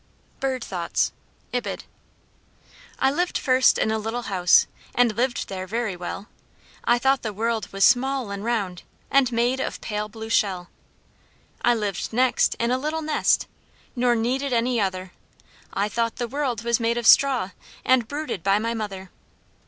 BIRD THOUGHTS [Footnote 2: Ibid.] I lived first in a little house, And lived there very well; I thought the world was small and round, And made of pale blue shell. I lived next in a little nest, Nor needed any other; I thought the world was made of straw, And brooded by my mother.